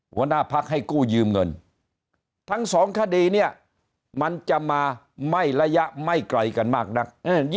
หัวหน้าพักให้กู้ยืมเงินทั้งสองคดีเนี่ยมันจะมาไม่ระยะไม่ไกลกันมากนัก